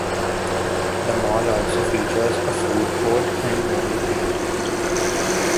The mall also features a food court and movie theater.